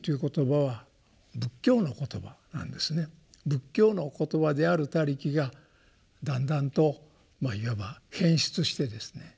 仏教の言葉である「他力」がだんだんとまあいわば変質してですね